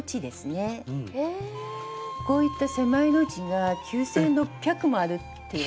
こういった狭い路地が９，６００もあるっていわれてるんです。